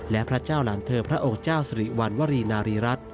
และพระเจ้าหลังเธอพระองค์เจ้าสิริวัณวรีนารีรัฐ